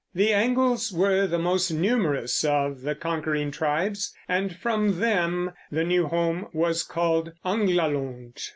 The Angles were the most numerous of the conquering tribes, and from them the new home was called Anglalond.